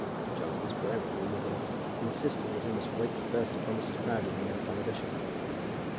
John was peremptory with him, insisting that he must wait first upon Mrs. Proudie and then upon the bishop.